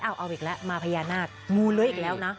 เอาอีกแล้วมาพญานาคงูเลื้อยอีกแล้วนะ